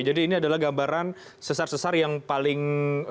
jadi ini adalah gambaran sesar sesar yang paling